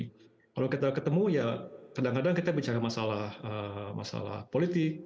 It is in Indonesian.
kalau kita ketemu ya kadang kadang kita bicara masalah politik